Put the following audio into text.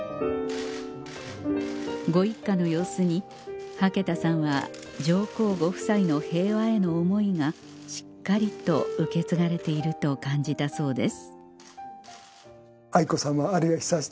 ご一家の様子に羽毛田さんは上皇ご夫妻の平和への思いがしっかりと受け継がれていると感じたそうです